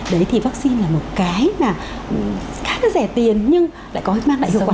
đấy thì vaccine là một cái mà khá là rẻ tiền nhưng lại có hướng dẫn đại hiệu quả